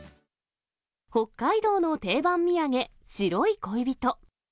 北海道の定番土産、白い恋人。